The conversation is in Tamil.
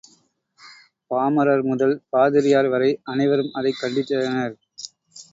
பாமரர் முதல் பாதிரியார் வரை அனைவரும் அதைக் கண்டித்தனர்.